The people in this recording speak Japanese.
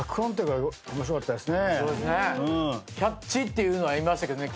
キャッチっていうのはいましたけどね。